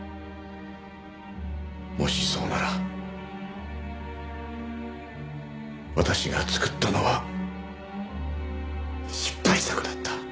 もしそうなら私がつくったのは失敗作だった。